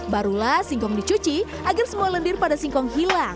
barulah singkong dicuci agar semua lendir pada singkong hilang